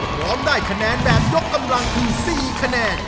พร้อมได้คะแนนแบบยกกำลังคือ๔คะแนน